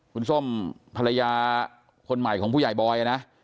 คุณส้มภรรยาคนใหม่ของผู้ใหญ่บอยนะ